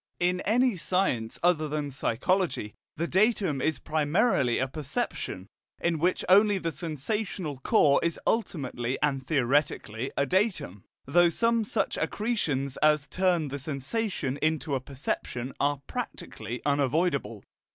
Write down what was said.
In any science other than psychology the datum is primarily a perception, in which only the sensational core is ultimately and theoretically a datum, though some such accretions as turn the sensation into a perception are practically unavoidable.